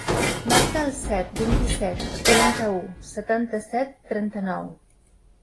Marca el set, vint-i-set, quaranta-u, setanta-set, trenta-nou.